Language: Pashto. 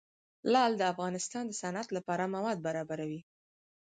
لعل د افغانستان د صنعت لپاره مواد برابروي.